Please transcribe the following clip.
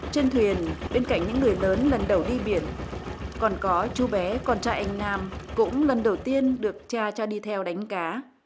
trên thuyền bên cạnh những người lớn lần đầu đi biển còn có chú bé con trai anh nam cũng lần đầu tiên được cha cho đi theo đánh cá